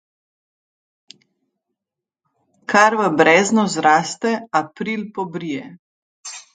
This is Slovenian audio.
Kar v breznu zraste, april pobrije.